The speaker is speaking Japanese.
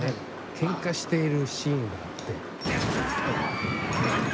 けんかしているシーンがあって。